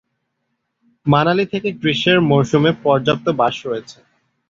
মানালি থেকে গ্রীষ্মের মরসুমে পর্যাপ্ত বাস রয়েছে।